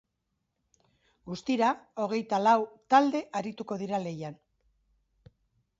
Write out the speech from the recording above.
Guztira, hogeita lau talde arituko dira lehian.